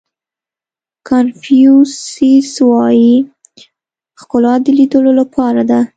کانفیو سیس وایي ښکلا د لیدلو لپاره ده.